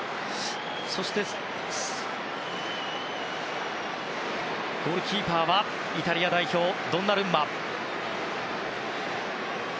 そしてゴールキーパーはイタリア代表、ドンナルンマ。